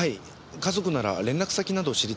家族なら連絡先など知りたいんですが。